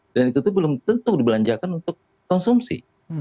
dan itu belum tentu dibelanjakan untuk konsumsi